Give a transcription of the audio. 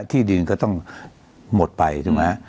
ที่ดินก็ต้องหมดไปถูกไหมฮะ